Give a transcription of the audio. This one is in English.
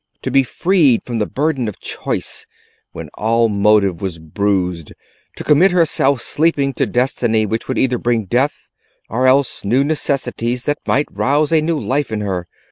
To be freed from the burden of choice when all motive was bruised, to commit herself, sleeping, to destiny which would either bring death or else new necessities that might rouse a new life in her!